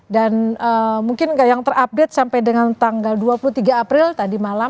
dan mungkin yang terupdate sampai dengan tanggal dua puluh tiga april tadi malam